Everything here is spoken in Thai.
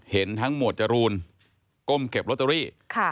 เห็นทั้งหมวดจรูนก้มเก็บลอตเตอรี่